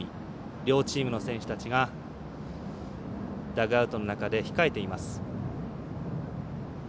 両チームの選手たちがダグアウトの中で控えています。